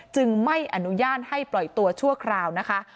ไม่อนุญาตให้ปล่อยตัวชั่วคราวนะคะ